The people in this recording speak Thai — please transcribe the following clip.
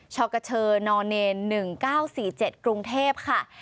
ชอกเกอร์เชอร์นอนเนน๑๙๔๗กรุงเทพฯค่ะ